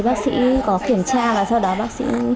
bác sĩ có kiểm tra và sau đó bác sĩ